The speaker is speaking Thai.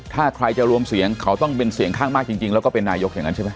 ถ้าใครจะรวมเสียงเขาต้องเป็นเสียงข้างมากจริงแล้วก็เป็นนายกอย่างนั้นใช่ไหม